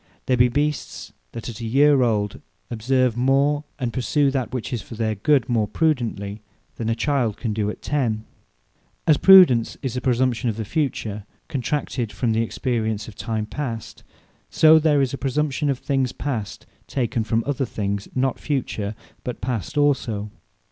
There be beasts, that at a year old observe more, and pursue that which is for their good, more prudently, than a child can do at ten. Conjecture Of The Time Past As Prudence is a Praesumtion of the Future, contracted from the Experience of time Past; So there is a Praesumtion of things Past taken from other things (not future but) past also.